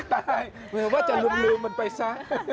อุ๊ยตายเหมือนว่าจะลืมมันไปซัก